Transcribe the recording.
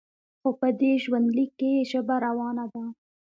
خو په دې ژوندلیک کې یې ژبه روانه ده.